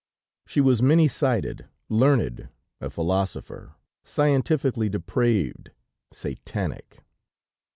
"She was many sided, learned, a philosopher, scientifically depraved, satanic.